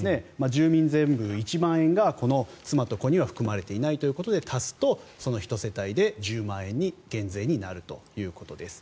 住民税分１万円が妻と子には含まれていないということで足すと１世帯で１０万円減税になるということです。